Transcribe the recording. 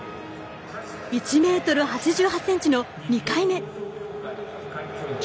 １ｍ８８ｃｍの２回目。